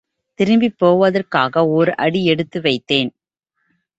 திரும்பிப் போவதற்காக ஓர் அடி எடுத்து வைத்தேன்.